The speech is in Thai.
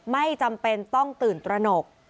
ไม่จำเป็นต้องตื่นตระหนก